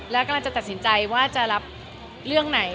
แล้วกำลังจะตัดสินใจว่าจะรับเรื่องไหน